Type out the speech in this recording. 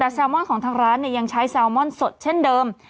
แต่แซลมอนของทางร้านยังใช้แซลมอนสดเช่นเดิม